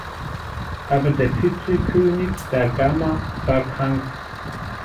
Aber der Vizekönig da Gama war krank.